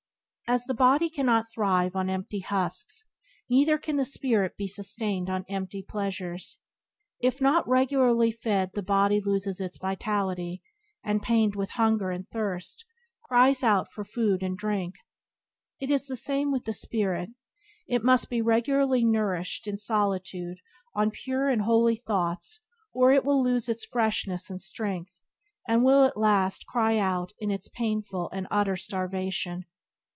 As the body cannot thrive on empty husks, neither can the spirit be sustained on empty pleasures. If not regularly fed the body loses its vitality, and, pained with hunger and thirst, cries out for food and drink. It is the same with the spirit: it must be regularly nourished in solitude on pure and holy thoughts or it will lose its freshness and strength, and will at last cry out in its painful and utter starvation.